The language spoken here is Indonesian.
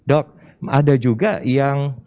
dok ada juga yang